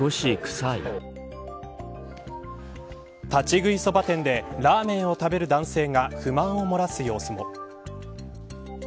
立ち食いそば店でラーメンを食べる男性が不満をもらす様子も。